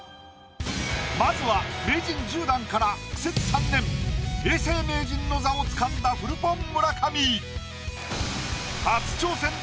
まずは名人１０段から苦節３年永世名人の座をつかんだフルポン村上！